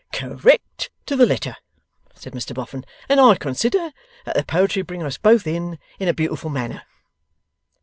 'Correct to the letter!' said Mr Boffin. 'And I consider that the poetry brings us both in, in a beautiful manner.